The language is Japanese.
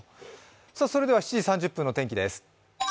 それでは７時３０分の天気です。